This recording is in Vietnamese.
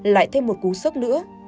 lại thêm một cú sức nữa